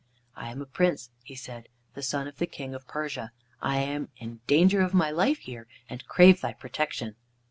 "I am a Prince," he said, "the son of the King of Persia. I am in danger of my life here, and crave thy protection."